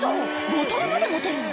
ボトルまで持てるの？